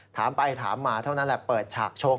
ถามไปถามมาเท่านั้นแหละเปิดฉากโชค